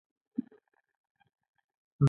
که دا ونه شي ټولې مرستې او اړیکې وشلول شي.